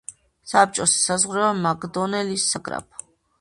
საბჭოს ესაზღვრება მაკდონელის საგრაფო.